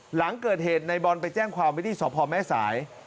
หลังเกิดเหตุในบอลไปแจ้งความวิธีสพแม่สาย